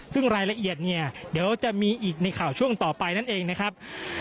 ซึ่งรายละเอียดเนี่ยเดี๋ยวจะมีอีกในข่าวช่วงต่อไปนั่นเองนะครับ